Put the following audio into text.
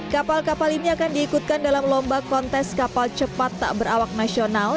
kapal kapal ini akan diikutkan dalam lomba kontes kapal cepat tak berawak nasional